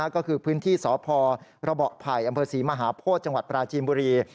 ก็คือพื้นที่สพระภศรีมหาโพธิ์จังหวัดปราจีนบุรี